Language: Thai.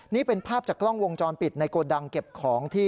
นี่เป็นภาพจากกล้องวงจรปิดในโกดังเก็บของที่